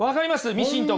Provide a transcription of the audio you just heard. ミシンとか。